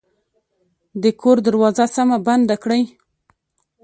د کور دروازه سمه بنده کړئ